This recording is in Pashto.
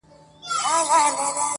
چي راټوپ كړله ميدان ته يو وگړي٫